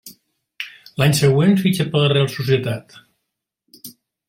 A l'any següent fitxa per la Reial Societat.